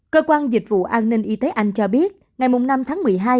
cơ quan dịch vụ an ninh y tế anh cho biết ngày năm tháng một mươi hai